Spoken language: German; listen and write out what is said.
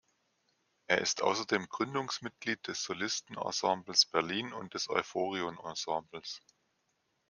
Er ist außerdem Gründungsmitglied des Solisten-Ensembles Berlin und des Euphorion-Ensembles.